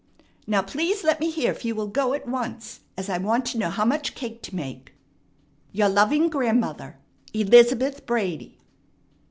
Now please let me hear if you will go at once, as I want to know how much cake to make. "Your loving grandmother, ELIZABETH BRADY."